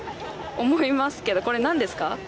思いますけどこれ何ですか？